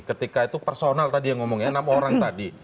ketika itu personal tadi yang ngomongin enam orang tadi